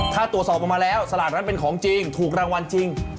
ถ้าตรวจสอบออกมาแล้วสลากนั้นเป็นของจริงถูกรางวัลจริง